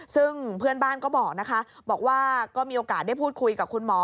ซึ่งเพื่อนบ้านก็บอกนะคะบอกว่าก็มีโอกาสได้พูดคุยกับคุณหมอ